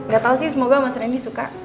gak tau sih semoga mas reni suka